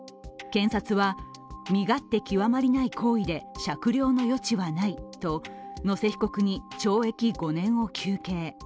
検察は、身勝手極まりない行為で、酌量の余地はないと野瀬被告に懲役５年を求刑。